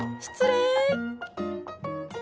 失礼。